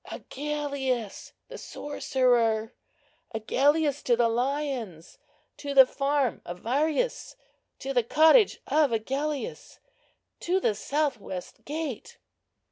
Agellius the sorcerer! Agellius to the lions! To the farm of Varius—to the cottage of Agellius—to the south west gate!"